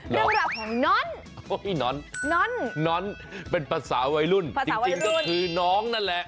เรื่องราวของน้อนน้อนเป็นภาษาวัยรุ่นจริงก็คือน้องนั่นแหละ